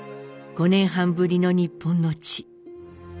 ５年半ぶりの日本の地。